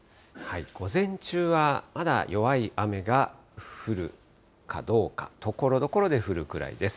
午前中はまだ弱い雨が降るかどうか、ところどころで降るくらいです。